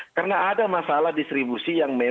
karena ada masalah distribusi yang melepaskan